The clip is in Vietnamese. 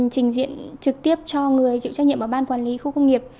trình diện trực tiếp cho người chịu trách nhiệm ở ban quản lý khu công nghiệp